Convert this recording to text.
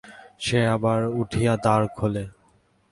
সে আবার উঠিয়া দ্বার খোলে।